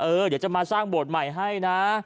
เดี๋ยวจะมาสร้างโบสถ์ใหม่ให้นะ